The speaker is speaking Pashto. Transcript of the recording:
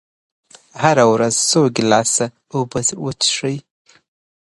هره ورځ څو ګیلاسه اوبه وڅښئ.